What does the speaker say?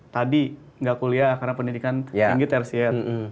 tadi gak kuliah karena pendidikan tinggi tersebut